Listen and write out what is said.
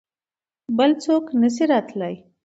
بل څوک نه شي راتلای.